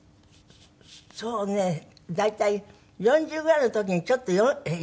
大体４０ぐらいの時にちょっとえっ？